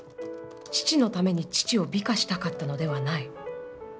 父のために父を美化したかったのではない」。